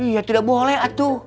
iya tidak boleh atu